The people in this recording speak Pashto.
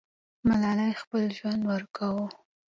ملالۍ خپل ژوند ورکاوه.